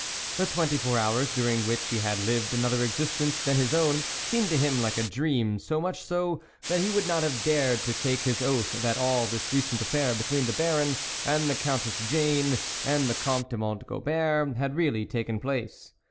The twenty four hours, during which he had lived another existence than his own, seemed to him like a dream, so much so, that he would not have dared to take his oath that all this recent affair between the Baron, and the Countess Jane, and the Comte de Mont Gobert had really taken place.